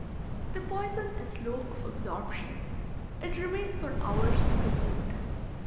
"The poison is slow of absorption. It remains for hours in the wound."